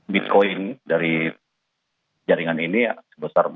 bitcoin dari jaringan ini sebesar empat puluh